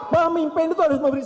pemimpin itu harus memberikan